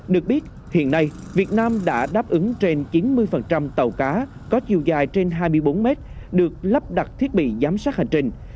được biết hiện nay việt nam đã đáp ứng trên chín mươi tàu cá có chiều dài trên hai mươi bốn mét được lắp đặt thiết bị giám sát hành trình